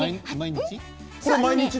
毎日？